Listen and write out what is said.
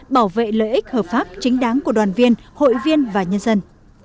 bảo vệ lợi ích hợp pháp chính đáng của đoàn viên hội viên và nhân dân